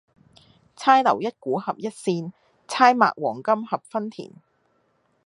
釵留一股合一扇，釵擘黃金合分鈿。